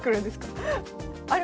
あれ？